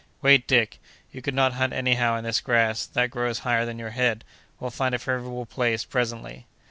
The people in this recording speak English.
"Wait, Dick; you could not hunt anyhow in this grass, that grows higher than your head. We'll find a favorable place presently."